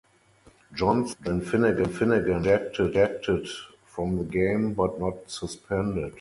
Johnson and Finnegan were ejected from the game, but not suspended.